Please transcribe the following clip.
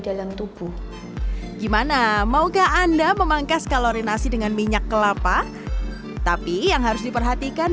jalan tubuh gimana maukah anda memangkas kalori nasi dengan minyak kelapa tapi yang harus diperhatikan